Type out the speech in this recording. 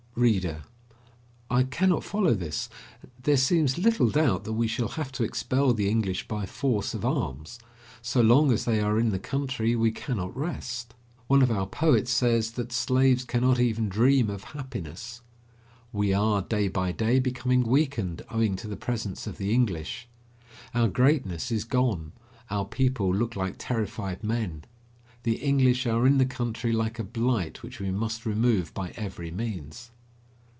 READER: I cannot follow this. There seems little doubt that we shall have to expel the English by force of arms. So long as they are in the country, we cannot rest. One of our poets says that slaves cannot even dream of happiness. We are, day by day, becoming weakened owing to the presence of the English. Our greatness is gone; our people look like terrified men. The English are in the country like a blight which we must remove by every means.